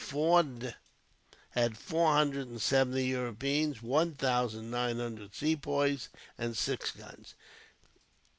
Forde had four hundred and seventy Europeans, one thousand nine hundred Sepoys, and six guns.